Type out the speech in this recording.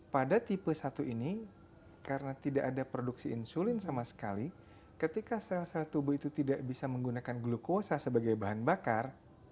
pada tipe satu ini karena tidak ada produksi insulin sama sekali ketika sel sel tubuh itu tidak bisa menggunakan glukosa sebagai bahan bakar